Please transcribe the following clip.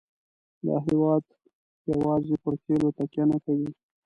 دا هېواد یوازې پر تیلو تکیه نه کوي.